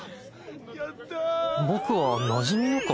僕はなじみのか。